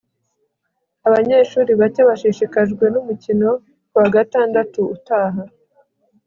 abanyeshuri bake bashishikajwe nu mukino kuwa gatandatu utaha